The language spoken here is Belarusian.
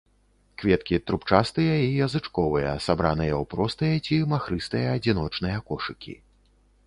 Кветкі трубчастыя і язычковыя, сабраныя ў простыя ці махрыстыя адзіночныя кошыкі.